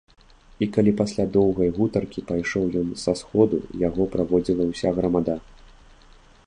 І калі пасля доўгай гутаркі пайшоў ён са сходу, яго праводзіла ўся грамада.